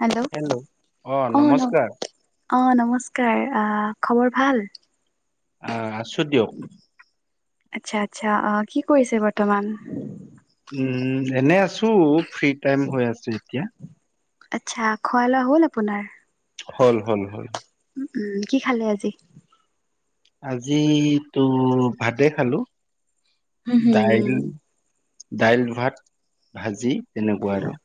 Hello. অ, ন অ, নমস্কাৰ। আহ, খবৰ ভাল? আহ আছোঁ দিয়ক। আচ্ছা, আচ্ছা। অ, কি কৰিছে বৰ্তমান? উম, এনে আছো, ফ্ৰী টাইম হৈ আছে এতিয়া। আচ্ছা, খোৱা লোৱা হ'ল আপোনাৰ? হল, হল, হল। উম, কি খালে আজি? আজি তো ভাতে খালোঁ। উম, হম। দাইল, ভাত, ভাজি তেনেকুৱা আৰু।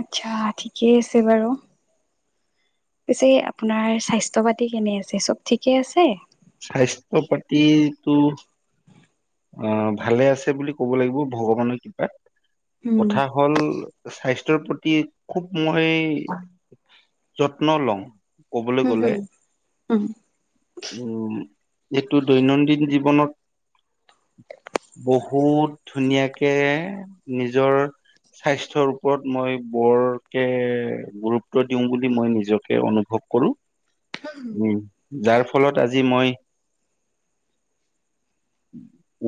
আচ্ছা, ঠিকেই আছে বাৰু। পিছে আপোনাৰ স্বাস্থ্য পাতি কেনে আছে, চব ঠিকে আছে? স্বাস্থ্য পাতিটো অ, ভালে আছে বুলি ক'ব লাগিব ভগৱানৰ কৃপাত। উম কথা হ'ল স্বাস্থ্যৰ প্ৰতি খুব মই যত্ন লওঁ। কবলৈ হুম গলে। হুম উম উম, এইটো দৈনন্দিন জীৱনত [unintelligible] বহুত ধুনীয়াকে নিজৰ স্বাস্থ্যৰ ওপৰত মই বৰকে গুৰুত্ব দিওঁ বুলি মই নিজকে অনুভৱ কৰো উম, যাৰ ফলত আজি মই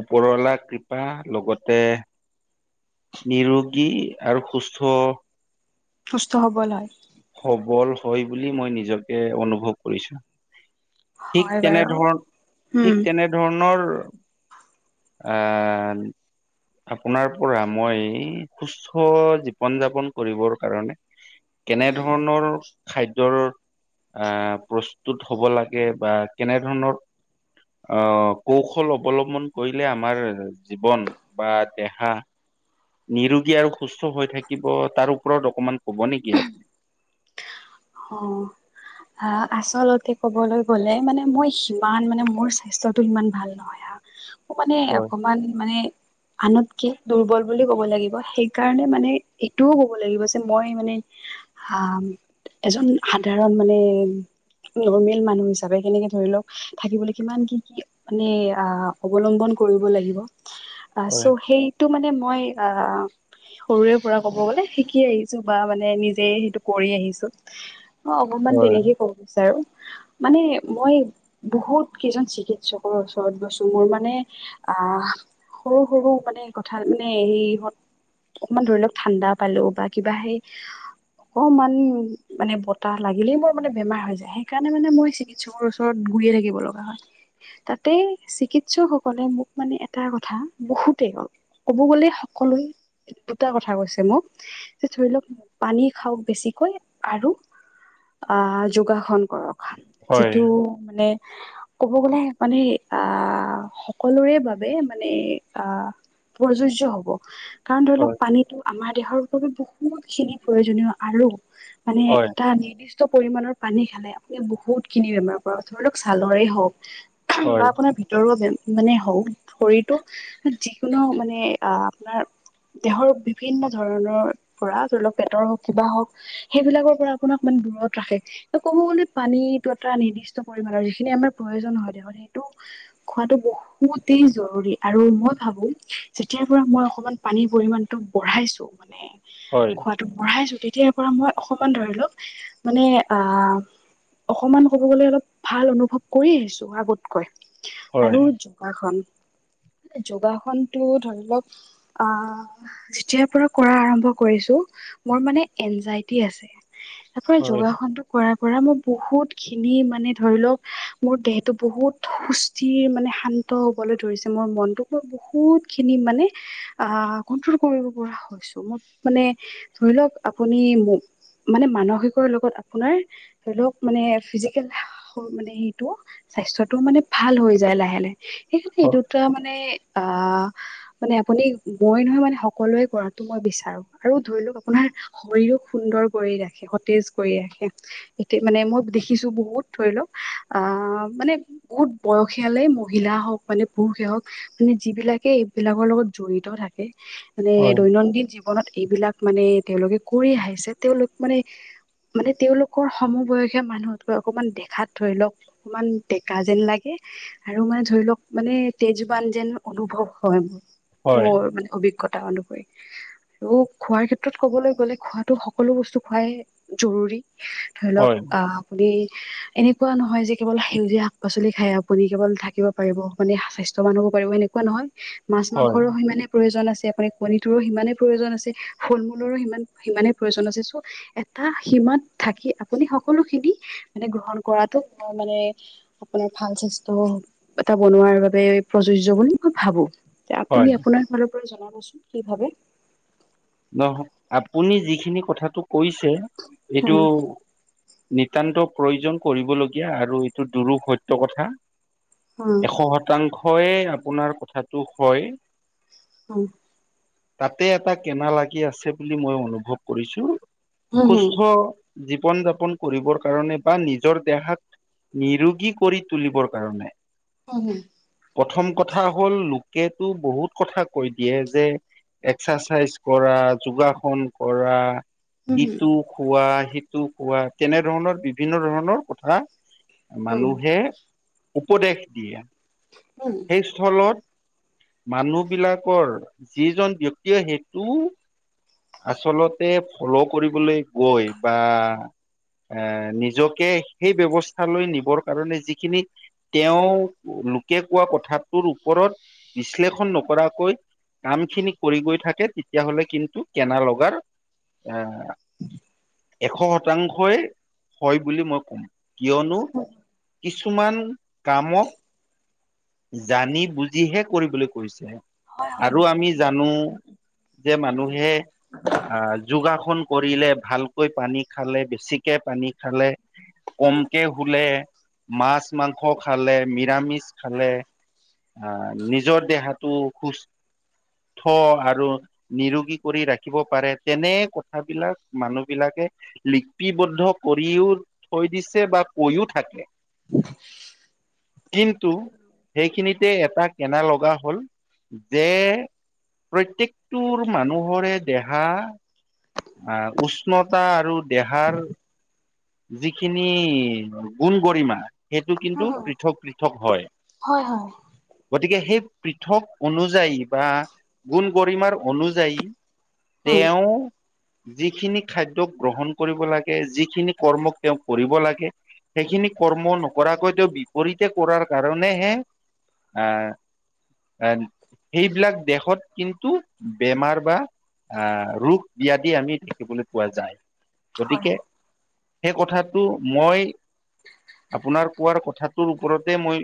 ওপৰলা কৃপা লগতে নিৰোগী আৰু সুস্থ সুস্থ সবল হয় সবল হয় বুলি মই নিজকে অনুভৱ কৰিছোঁ ঠিক হয় বাৰু তেনেধৰণ ঠিক উম তেনেধৰণৰ আহ। আপোনাৰ পৰা মই সুস্থ জীৱন যাপন কৰিবৰ কাৰণে- কেনে ধৰণৰ- খাদ্যয়ৰ আহ প্ৰস্তুত হ'ব লাগে বা কেনেধৰণৰ- আহ কৌশল অৱলম্বন কৰিলে আমাৰ জীৱন- বা দেহা- নিৰুগী আৰু সুস্থ হৈ থাকিব তাৰ ওপৰত অকমান কব নেকি আপুনি? অঁ। অঁ আচলতে কবলৈ গ'লে মানে মই সিমান মানে মোৰ স্বাস্থ্যতটো সিমান ভাল নহয়। মানে হয় অকমান মানে আনতকে দুৰ্বল বুলি ক'ব লাগিব, সেইকাৰণে মানে এইটোও কব লাগিব যে মই মানে- আ এজন সাধাৰণ মানে নৰ্মেল মানুহ হিচাপে কেনেকে ধৰি লওঁক থাকিবলৈ কিমান কি কি মানে অৱলম্বন কৰিব লাগিব আ চৌ হয় সেইটো মানে মই আহ সৰুৰে পৰা কব গলে শিকি আহিছোঁ বা মানে নিজে সেইটো কৰি আহিছোঁ। অ অকনমান হয় তেনেকে কব বিচাৰোঁ মানে মই বহুত কেইজন চিকিৎসকৰ ওচৰত গৈছোঁ মোৰ মানে আহ সৰু সৰু মানে কথা মানে এই ইঁহত অকমান ধৰি লওক ঠাণ্ডা পালো বা কিবা সেই অকমান মানে বতাহ লাগিলেই মোৰ মানে বেমাৰ হৈ যায় সেইকাৰণে মানে মই চিকিৎসকৰ ওচৰত ঘূৰিয়ে থাকিব লগা হয় তাতে চিকিৎসকসকলে মোক মানে এটা কথা বহুতে কয় কব গলে সকলোই দুটা কথা কৈছে মোক যে ধৰি লওক পানী খাওক বেছিকৈ আৰু আহ যোগাসন কৰক হয় যিটো মানে ক'ব গ'লে মানে আহ সকলোৰে বাবে মানে আহ- প্ৰযোজ্য হব কাৰণ ধৰি লওক পানীটো আমাৰ দেহৰ বাবে বহুত খিনি প্ৰয়োজনীয় আৰু- মানে হয় এটা নিৰ্দিষ্ট- যথেষ্ট পৰিমাণৰ পানী খালে আপুনি বহুতখিনি বেমাৰ পৰা ধৰি লওক ছালৰেই হওঁক- বা হয় আপোনাৰ ভিতৰুা বেমাৰ- মানে হওক শৰীৰটো যিকোনো মানে আহ আপোনাৰ- দেহৰ বিভিন্ন ধৰণৰ পৰা ধৰি লওক পেটৰ হওক, কিবা হওক- সেইবিলাকৰ পৰা আপোনাক মানে দূৰত ৰাখে। ত ক'ব গলে পানীটো এটা নিৰ্দিষ্ট পৰিমাণৰ যিখিনি আমাৰ- প্ৰয়োজন হয় দেহত। সেইটো খোৱাটো বহুতেই জৰুৰী আৰু মই ভাবো যেতিয়া- পৰা মই অকমান পানীৰ পৰিমাণটো বঢ়াইছো মানে হয় খোৱাতো বঢ়াইছো। তেতিয়াৰ পৰা মই- অকণমান ধৰি লওক মানে- অকমান ক'ব গলে অলপ ভাল অনুভৱ কৰি আহিছো আগতকৈ। আৰু হয় যোগাসন। যোগাখন টো ধৰি লওক আহ যেতিয়াৰ পৰা কৰা আৰম্ভ কৰিছো- মোৰ মানে এনজাইটি আছে। তাৰ পৰা হয় যোগাসনতটো কৰা- পৰা মই বহুত খিনি মানে ধৰি লওঁক মোৰ দেহটো বহুত সুস্থিৰ মানে - শান্ত হবলে ধৰিছে। মোৰ মনটোক বহুত খিনি মানে আহ কন্ট্ৰল কৰিব পৰা হ'ল। চৌ মোক মানে ধৰি লওক আপুনি মোক- মানে মানসিকৰ লগত আপোনাৰ ধৰি লওক মানে ফিজিকেল- মানে সেইটো স্বাস্থ্যটো মানে ভাল হৈ যায়। লাহে লাহে সেইকাৰণে এই হয় দুটা মানে- অঁ। মানে আপুনি মই নহয়। মানে সকলোৱে কৰাতো মই বিচাৰো আৰু ধৰি লও আপোনাৰ শৰীৰক- সুন্দৰ কৰি ৰাখে, সতেজ কৰি ৰাখে। এতিয়া মানে মই দেখিছো বহুত ধৰি লওক আহ- আহ মানে বহুত বয়সীয়ালে মহিলা হওক মানে পুৰুষে হওক মানে যিবিলাকে এইবিলাক- লগৰ লগত জড়িত থাকে মানে হয় দৈনন্দিন জীৱনত এইবিলাক মানে তেওঁলোকে কৰি আহিছে। তেওঁলোক মানে- মানে তেওঁলোকৰ সমবয়সীয়া মানুহতকৈ অকমান দেখাত ধৰি লওক অকমান ডেকা যেন লাগে। ইহ্ আৰু মানে ধৰি লওক মানে তেজবান যেন অনুভৱ হয় মো হয় মোৰ মানে অভিজ্ঞতা অনুসৰি ই আহ্ আৰু খোৱাৰ ক্ষেত্ৰত ক'বলৈ গ'লে খোৱাটো হ সকলো বস্তু খোৱাই জৰুৰী ই আহ্ ধৰিলওক হয় আহ আপুনি আহ এনেকুৱা নহয় যে কেৱল সেউজীয়া শাক-পাচলি খাই আপুনি কেৱল থাকিব পাৰিব মানে হা স্বাস্থ্য মানুহ কৰিবলে কুৱা নহয় ইহ্ হয় মাছ-মাংসৰো সিমানে প্ৰয়োজন আছে এফালে কণীটোৰো সিমানে প্ৰয়োজন আছে ফল-মূলৰো সিমান সিমানে প্ৰয়োজন আছে চ' এটা সীমাত থাকি আপুনি সকলো খিনি ই আহ মানে গ্ৰহণ কৰাতো সম্ভৱ মানে আপোনাৰ ভাল স্বাস্থ্য এটা বনোৱাৰ বাবে প্ৰযোজ্য বুলি মই ভাবো। তেতিয়া আপুনি হয়। আপোনাৰ ফালৰ পৰা জনাবচোন কি ভাবে? নহয়, আপুনি যিখিনি কথাটো কৈছে এইটো উম নিতান্ত প্ৰয়োজন কৰিবলগীয়া আৰু এইটো দুৰুপ সত্য কথা। হয় এশ শতাংশয়ে আপোনাৰ কথাটো হয়। অ তাতে এটা কেনা লাগি আছে বুলি মই অনুভৱ কৰিছো হয় সুস্থ জীৱন-যাপন কৰিবৰ কাৰণে বা নিজৰ দেহাত নিৰোগী কৰি তুলিবৰ কাৰণে উম হু। প্ৰথম কথা হ'ল লোকেতো বহুত কথা কৈ দিয়ে যে এক্সাৰচাইজ কৰা যোগাসন কৰা ইটো খোৱা সিটো খোৱা তেনেধৰণৰ বিভিন্ন ধৰণৰ কথা মানুহে উপদেশ দিয়া সেই স্থলত মানুহবিলাকৰ যিজন ব্যক্তিয়ে সেইটো আচলতে ফল' কৰিবলৈ গৈ বা এ নিজকে সেই ব্যৱস্থালৈ নিবৰ কাৰণে যিখিনি তেওঁ লোকে কোৱা কথাটোৰ ওপৰত বিশ্লেষণ নকৰাকৈ কামখিনি কৰি গৈ থাকে তেতিয়াহলে কিন্তু কেনা লগাৰ এ এ এ আ আ আ [inaudible] এশ শতাংশই হয় বুলি মই কম কিয়নো কিছুমান কামক জানি বুজিহে কৰিবলৈ কৈছে আৰু আমি জানো যে মানুহে আহ যোগাসন কৰিলে ভালকৈ পানী খালে বেছিকে পানী খালে কমকে শুলে মাছ-মাংস খালে নিৰামিষ খালে আ নিজৰ দেহাটো সুস্থ আৰু নিৰোগী কৰি ৰাখিব পাৰে তেনে কথাবিলাক মানুহ বিলাকে লিপিবদ্ধ কৰিও থৈ দিছে বা কৈও থাকে। কিন্তু সেইখিনি তে এটা কেনা লগা হল যে প্ৰত্যেক টোৰ মানুহৰে দেহা আৰ উষ্ণতা আৰু দেহাৰ যিখিনি গুণ-গৰিমা সেইটো কিন্তু পৃথক পৃথক হয়, হয় গতিকে সেই পৃথক অনুযায়ী বা গুণ-গৰিমাৰ অনুযায়ী তেওঁ যিখিনি খাদ্য গ্ৰহণ কৰিব লাগে যিখিনি কৰ্মক তেওঁ কৰিব লাগে সেইখিনি কৰ্ম নকৰাকৈ তেওঁ বিপৰীতে কৰাৰ কাৰণেহে আহ অন সেইবিলাক দেহত কিন্তু বেমাৰ বা আহ ৰোগ-ব্যধি আমি দেখিবলৈ পোৱা যায়। গতিকে সেই কথাটো মই আপোনাৰ কোৱাৰ কথাটোৰ ওপৰতে মই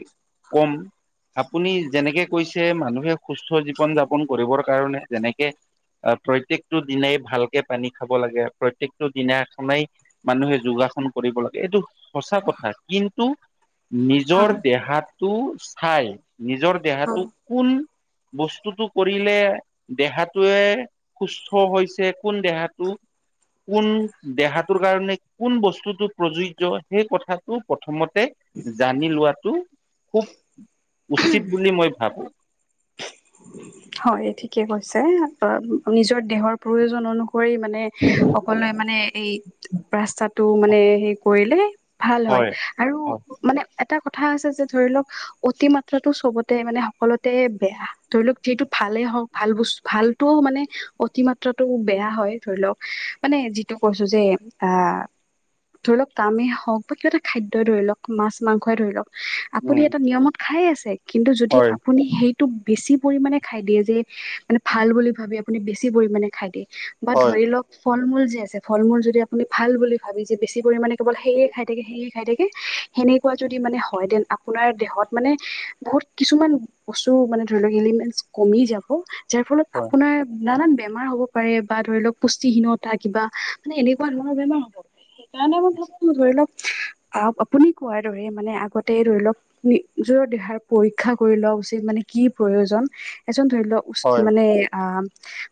কম। আপুনি যেনেকে কৈছে মানুহে সুস্থ জীৱন-যাপন কৰিবৰ কাৰণে যেনেকে প্ৰত্যেকটো দিনাই ভালকে পানী খাব লাগে প্ৰত্যেকটো দিনাখনাই মানুহে যোগাসন কৰিব লাগে এইটো সঁচা কথা, কিন্তু নিজৰ দেহাত টো চাই নিজৰ দেহাটো কোন বস্তুটো কৰিলে দেহাটোৱে সুস্থ হৈছে কোন দেহাটো। কোন দেহাটোৰ কাৰণে কোন বস্তুটো প্ৰযোজয় সেই কথাটো প্ৰথমতে জানি লোৱাটো খুব উচিত বুলি মই ভাবো। হয় ঠিকে কৈছে নিজৰ দেহৰ প্ৰয়োজন অনুসৰি কৰি মানে সকলোৱে মানে এই ৰাস্তাত তটো মানে সে কৰিলে ভাল হয় আৰু মানে এটা কথা আছে যে ধৰি লওক অতি মাত্ৰাটো চবতে মানে সকলোতে বেয়া। ধৰি লওক যিহেতু ভালেই হওক ভাল বস্তু ভালটোও মানে অতিমাত্ৰাটো বেয়া হয় ধৰি লওক মানে যিটো কৈছো যে আহ ধৰি লওক কামেই হওক বা কিবা এটা খাদ্যই ধৰি লওক মাছ মাংসই ধৰি লওক। আপুনি হয় এটা নিয়মত খাই আছে, কিন্তু যদি হয় আপুনি সেইটো বেছি পৰিমানমানে খাই দিয়ে যে মানে ভাল বুলি ভাবি আপুনি বেছি পৰিমমানণে খাই দিয়ে, বা হয় ধৰি লওক ফল মূল যে আছে ফল মূল যদি আপুনি ভাল বুলি ভাবি যে বেছি পৰিমাণে কেৱল সেয়ে খাই থাকে সেয়ে খাই থাকে কি? সেনেকুৱা যদি মানে হয় দেন আপোনাৰ দেহত মানে বহুত কিছুমান বস্তু মানে এলিমেণ্টছ কমি যাব যাৰ ফলত হয় আপোনাৰ নানান বেমাৰ হ'ব পাৰে বা ধৰি লওক পুষ্টিহীনতা কিবা মানে এনেকুৱা ধৰণৰ বেমাৰ হ'ব প তণে মই ভাবছো ধৰি লওক আ আপুনি কোৱাৰ দৰে মানে আগতে ধৰি লওক নিজৰ দেহাৰ পৰীক্ষা কৰি লোৱা উচিত মানে কি প্ৰয়োজন এজন ধৰি লওক হয় মানে আ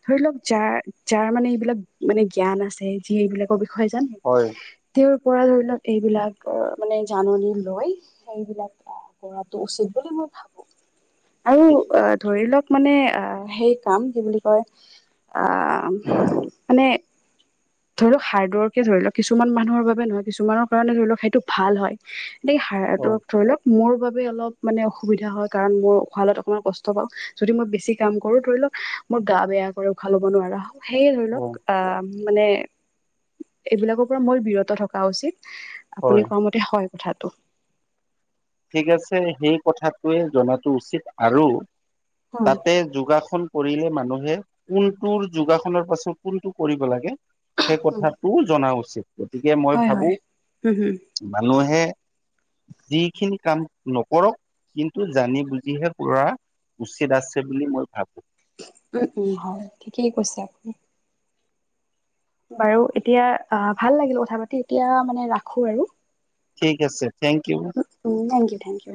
ধৰি লওক যাৰ যাৰ মানে এইবিলাক মানে জ্ঞান আছে যি এইবিলাকৰ হয় জানে হয় তেওঁৰ কৰা ধৰি লওক এইবিলাক মানে জাননী লৈ এইবিলাক কৰাো উচিত বুলি মই আৰু ধৰি লওক। মানে সেই কাম কি বুলি কয় মানে ধৰি লওক হাৰ্ড ৱৰ্কে ধৰি লওক কিছুমান মানুহৰ বাবে নহয় কিছুমানৰ কাৰণে ধৰি লওক সেইটো ভাল হয় সেই হড়াটো হয় ধৰি লওক মোৰ বাবে অলপ মানে অসুবিধা হয় কাৰণ মই খোৱালত অকণমান কষ্ট পাওঁ যদি মই বেছি কাম কৰো ধৰি লওক মোৰ গা বেয়া কৰে উশাল ল'ব নোৱাৰা হয় সেয়ে ধৰি হয় লওক আ মানে এইবিলাকৰ পৰা মই বিৰত থকা উচিত আপুনি হয়। কোৱা মতে হয় কথাটো ঠিক আছে সেই কথাটোৱে জনাাতটো উচিত আৰু অ তাতে যোগাসন কৰিলে মানুহে কোনটোৰ যোগাসনৰ পাছত কোনটো কৰিব লাগে। সেই কথাটো জনা উচিত গতিকে মই হয় ভাবো হয় উম হম মানুহে যি খিনি কাম নকৰক কিন্তু জানি বুজিহে পুৰা উচিত আছে বুলি মই ভাবো। উম উম হয় ঠিকেই কৈছে আপুনি বাৰু এতিয়া ভাল লাগিল কথা পাতি এতিয়া মানে ৰাখো আৰু ঠিক আছে। Thank you. Uh um thank you thank U